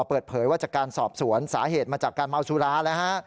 เปิดเผยว่าจากการสอบสวนสาเหตุมาจากการเมาสุราแล้วฮะ